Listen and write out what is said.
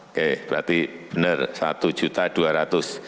oke berarti benar rp satu dua ratus